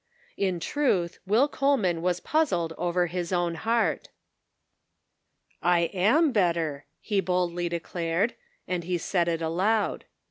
In truth, Will Coleman was puzzled over his own heart ! "I am better," he boldly declared, and he said it aloud.